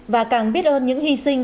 và càng biết ơn những hy sinh